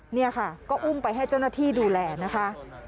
นี่ค่ะก็อุ้มไปให้เจ้าหน้าที่ดูแลนะคะ